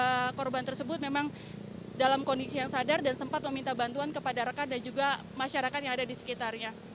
dan dari kedua korban tersebut memang dalam kondisi yang sadar dan sempat meminta bantuan kepada rekan dan juga masyarakat yang ada di sekitarnya